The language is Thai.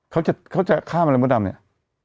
เขาจะข้ามอะไรมดดำเนี่ย